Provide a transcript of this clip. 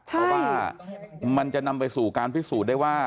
เพราะว่ามันจะนำไปสู่การพิสูจน์ได้ว่า